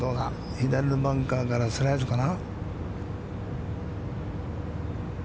左のバンカーからスライスかな。